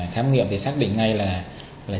khám nghiệm xác định ngay là